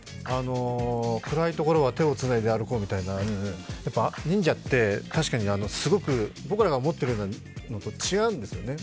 暗いところは手をつないで歩こうみたいな忍者って、確かにすごく僕らが思ってるようなのと違うんですよね。